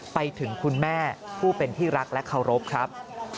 ไปถึงคุณแม่ผู้เป็นที่รักและเคารพครับ